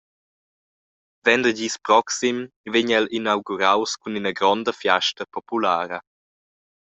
Vendergis proxim vegn el inauguraus cun ina gronda fiasta populara.